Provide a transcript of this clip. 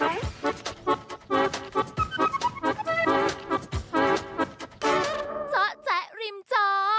ฉันเป็นเจ้าแจ๊ะริมจอ